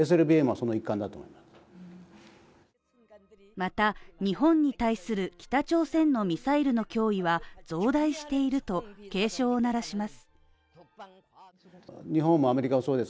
また、日本に対する北朝鮮のミサイルの脅威は増大していると警鐘を鳴らします。